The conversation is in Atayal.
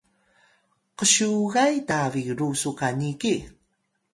ksyugay ta biru su qani ki?